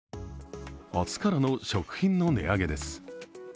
明日からの食品の値上げです。